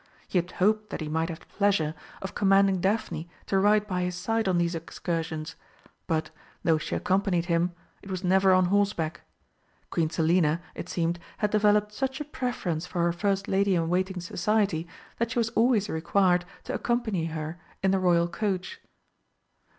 He had hoped that he might have the pleasure of commanding Daphne to ride by his side on these excursions, but, though she accompanied them, it was never on horseback. Queen Selina, it seemed, had developed such a preference for her first lady in waiting's society that she was always required to accompany her in the Royal coach.